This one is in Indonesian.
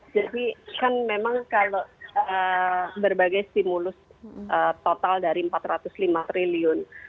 jadi kan memang kalau berbagai stimulus total dari rp empat ratus lima triliun